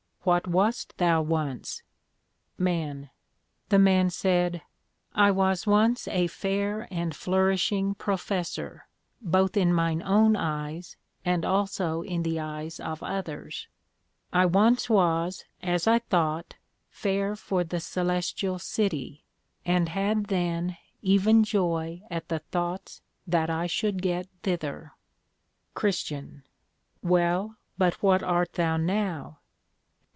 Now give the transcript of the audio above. What wast thou once? MAN. The Man said, I was once a fair and flourishing Professor, both in mine own eyes, and also in the eyes of others; I once was, as I thought, fair for the Coelestial City, and had then even joy at the thoughts that I should get thither. CHR. Well, but what art thou now?